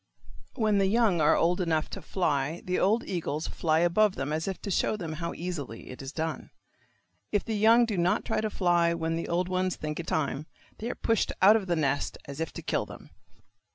When the young are old enough to fly the old eagles fly above them as if to show them how easily it is done. If the young do not try to fly when the old ones think it time, they are pushed out of the nest as if to kill them.